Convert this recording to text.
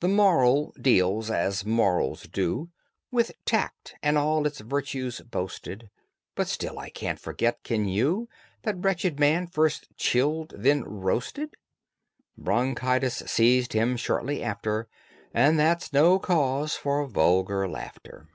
THE MORAL deals, as morals do, With tact, and all its virtues boasted, But still I can't forget, can you, That wretched man, first chilled, then roasted? Bronchitis seized him shortly after, And that's no cause for vulgar laughter.